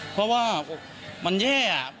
เพราะว่ามันแย่